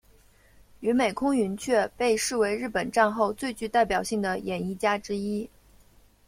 与美空云雀被视为日本战后最具代表性的演艺家之一。